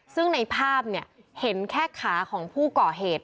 ซึ่งในภาพเห็นแค่ขาของผู้ก่อเหตุ